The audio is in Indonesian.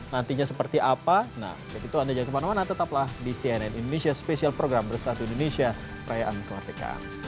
nantinya seperti apa nah begitu anda jangan kemana mana tetaplah di cnn indonesia special program bersatu indonesia perayaan kemerdeka